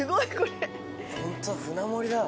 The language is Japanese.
ホントだ舟盛りだ。